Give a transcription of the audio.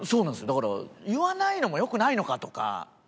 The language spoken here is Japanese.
だから言わないのも良くないのかとか。